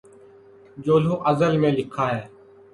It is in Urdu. جو لوح ازل میں لکھا ہے